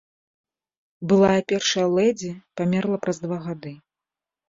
Былая першая лэдзі памерла праз два гады.